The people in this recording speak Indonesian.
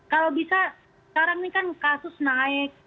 kalau bisa sekarang ini kan kasus naik